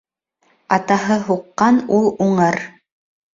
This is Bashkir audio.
Атаһы һуҡҡан ул уңыр